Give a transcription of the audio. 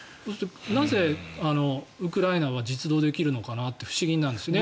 なぜ、ウクライナは実働できるのかなと不思議なんですね。